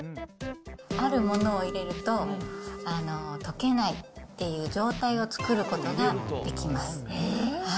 あるものを入れると、溶けないっていう状態を作ることができます。